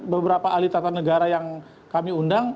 beberapa ahli tata negara yang kami undang